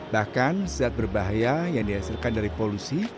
bahkan zat berbahaya yang dihasilkan dari polusi